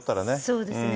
そうですね。